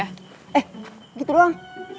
eh gitu doang